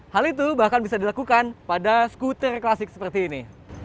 hal itu bahkan bisa dilakukan pada skuter klasik seperti ini